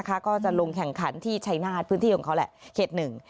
ก็จะลงแข่งขันที่ชัยนาธิ์พื้นที่ของเขาแหละเขตหนึ่ง